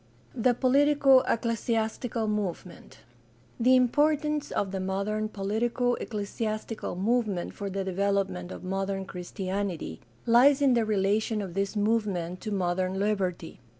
THE POLITICO ECCLESIASTICAL MOVEMENT The importance of the modern poKtico ecclesiastical movement for the development of modern Christianity lies in the relation of this movement to modern liberty.